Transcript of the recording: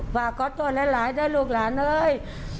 พ่าเค้าโทษหลายหลายด้วยลูกหลานเลย